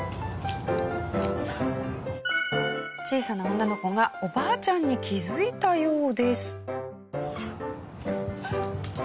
小さな女の子がおばあちゃんに気づいたようです。